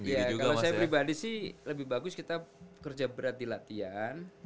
ya kalau saya pribadi sih lebih bagus kita kerja berat di latihan